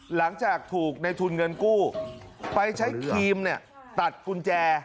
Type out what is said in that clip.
หลังจากถูกในทุนเงินกู้ไปใช้ครีมเนี่ยตัดกุญแจ